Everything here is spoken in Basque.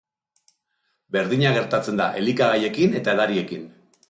Berdina gertatzen da elikagaiekin eta edariekin.